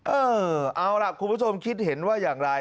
เออเอาล่ะคุณผู้ชมคิดเห็นว่าอย่างไร